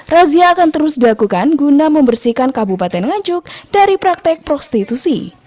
razia akan terus dilakukan guna membersihkan kabupaten nganjuk dari praktek prostitusi